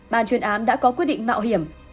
bàn chuyên án đã có quyết định mạo hiểm